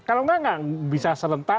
kalau nggak nggak bisa serentak